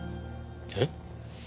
えっ？